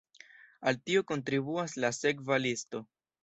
Al tio kontribuas la sekva listo.